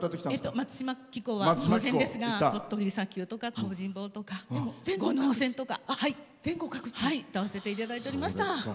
「松島紀行」は当然ですが鳥取砂丘とか東尋坊とか「五能線」とか歌わせていただいておりました。